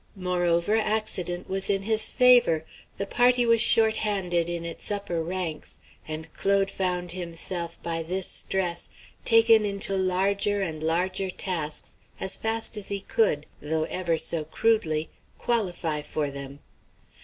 Moreover, accident was in his favor; the party was short handed in its upper ranks, and Claude found himself by this stress taken into larger and larger tasks as fast as he could, though ever so crudely, qualify for them.